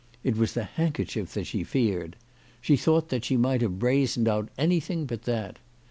It was the handkerchief that she feared. She thought that she might have brazened out anything but that.